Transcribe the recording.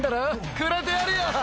くれてやるよ。